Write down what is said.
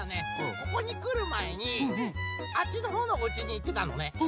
ここにくるまえにあっちのほうのおうちにいってたのね。